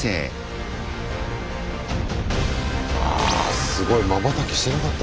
あすごいまばたきしてなかったぞ今。